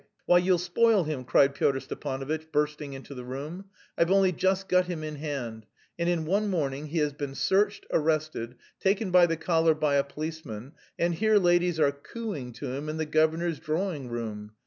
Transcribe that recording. "Why, you'll spoil him!" cried Pyotr Stepanovitch, bursting into the room. "I've only just got him in hand and in one morning he has been searched, arrested, taken by the collar by a policeman, and here ladies are cooing to him in the governor's drawing room.